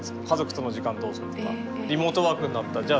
家族との時間どうするとかリモートワークになった。